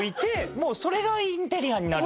もうそれがインテリアになる。